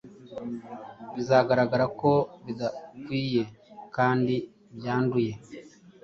bizagaragara ko bidakwiye kandi byanduye.